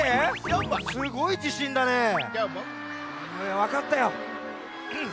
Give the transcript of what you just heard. わかったよ。